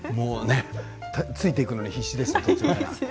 ついていくのに必死です途中から。